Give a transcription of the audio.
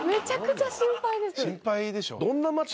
心配でしょ。